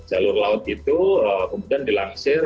jalur laut itu kemudian dilansir